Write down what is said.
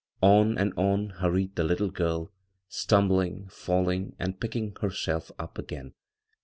On and on hurried the little girl, stum bling, falling, and picking herself up again.